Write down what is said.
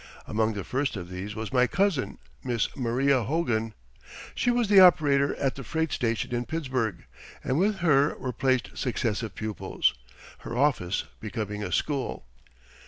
Among the first of these was my cousin, Miss Maria Hogan. She was the operator at the freight station in Pittsburgh, and with her were placed successive pupils, her office becoming a school.